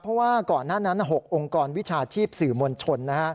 เพราะว่าก่อนหน้านั้น๖องค์กรวิชาชีพสื่อมวลชน